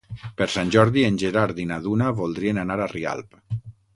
Per Sant Jordi en Gerard i na Duna voldrien anar a Rialp.